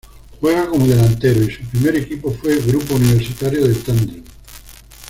Juega como delantero y su primer equipo fue Grupo Universitario de Tandil.